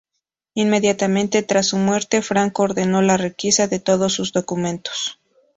Inmediatamente tras su muerte, Franco ordenó la requisa de todos sus documentos.